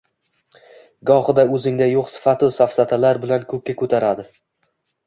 Gohida o‘zingda yo‘q sifatu-safsatalar bilan ko‘kka ko‘taradi